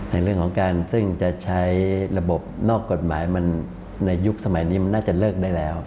ในเรื่องของการซึ่งจะใช้ระบบนอกกฎหมายมันในยุคสมัยนี้มันน่าจะเลิกได้แล้ว